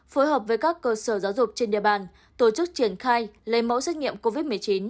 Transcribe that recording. phối hợp với các cơ sở giáo dục trên địa bàn tổ chức triển khai lấy mẫu xét nghiệm covid một mươi chín